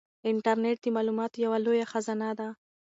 انټرنيټ د معلوماتو یوه لویه خزانه ده.